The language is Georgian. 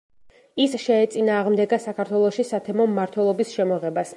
ის შეეწინააღმდეგა საქართველოში სათემო მმართველობის შემოღებას.